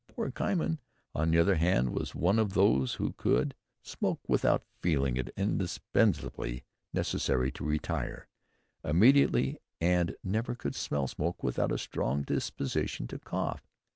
Poor Cymon, on the other hand, was one of those who could never smoke "without feeling it indispensably necessary to retire, immediately, and never could smell smoke without a strong disposition to cough."